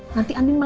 nanti andien malah